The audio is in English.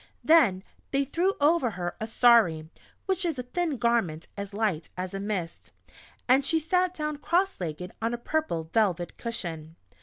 Then they threw over her a "sari" (which is a thin garment, as light as a mist), and she sat down cross legged on a purple velvet cushion.